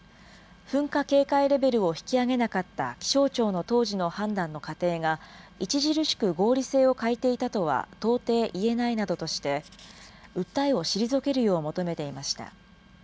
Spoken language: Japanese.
噴火警戒レベルを引き上げなかった気象庁の当時の判断の過程が、著しく合理性を欠いていたとは到底言えないなどとして、訴えを退けるよう求めていました。